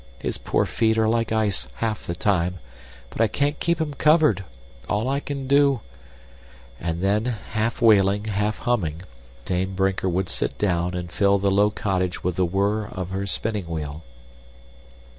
His poor feet are like ice half the time, but I can't keep 'em covered, all I can do " And then, half wailing, half humming, Dame Brinker would sit down and fill the low cottage with the whirr of her spinning wheel.